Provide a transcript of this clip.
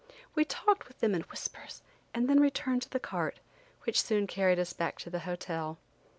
We talked with them in whispers and then returned to the cart, which soon carried us back to the hotel.